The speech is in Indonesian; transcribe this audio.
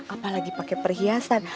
apalagi pake perhiasan